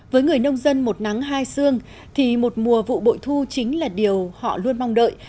với người nông dân một nắng hai xương thì một mùa vụ bội thu chính là điều họ luôn mong đợi